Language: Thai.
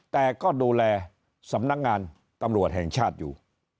แต่ก็ดูแลสำนักงานตำรวจแห่งชาติอยู่